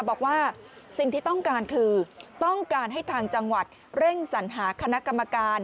บอกว่าสิ่งที่ต้องการคือต้องการให้ทางจังหวัดเร่งสัญหาคณะกรรมการ